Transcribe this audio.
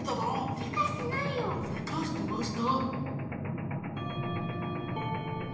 せかしてました！